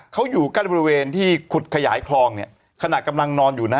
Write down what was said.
เขาอยู่ใกล้บริเวณที่ขุดขยายคลองเนี่ยขณะกำลังนอนอยู่นะ